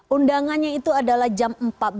undangannya itu adalah jam empat belas